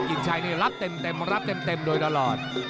กิจชัยนี่รับเต็มรับเต็มโดยตลอด